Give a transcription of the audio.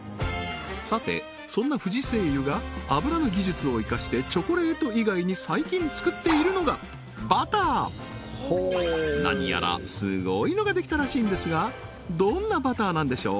さてそんな不二製油が油の技術を活かしてチョコレート以外に最近作っているのが何やらすごいのができたらしいんですがどんなバターなんでしょう？